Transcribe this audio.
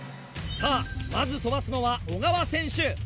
さぁまず飛ばすのは小川選手。